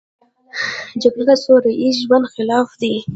جګړه د سوله ییز ژوند خلاف ده